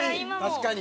確かに！